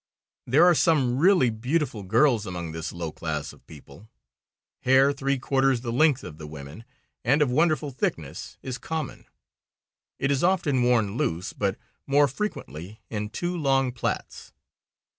There are some really beautiful girls among this low class of people. Hair three quarters the length of the women, and of wonderful thickness, is common. It is often worn loose, but more frequently in two long plaits.